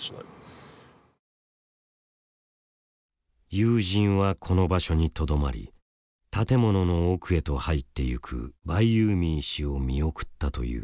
友人はこの場所にとどまり建物の奥へと入っていくバイユーミー氏を見送ったという。